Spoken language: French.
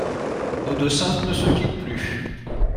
Nos deux saintes ne se quittent plus.